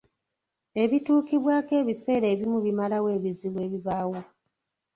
Ebituukibwako ebiseera ebimu bimalawo ebizibu ebibaawo.